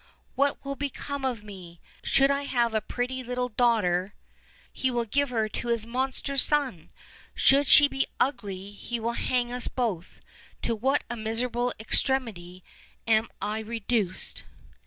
what will become of me? Should I have a pretty little daughter, he will give her to his monster son; should she be ugly, he will hang us both. To what a miserable extremity am I reduced!"